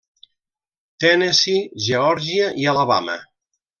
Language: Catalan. Tennessee, Geòrgia i Alabama.